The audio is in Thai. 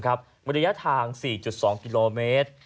ระยะทาง๔๒กิโลเมตร